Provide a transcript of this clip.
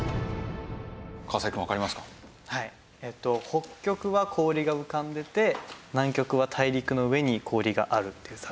北極は氷が浮かんでて南極は大陸の上に氷があるっていう差が。